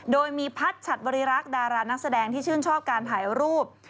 โดยมีพัฒน์ฉัดบริรักษ์ดารานักแสดงที่ชื่นชอบการถ่ายรูป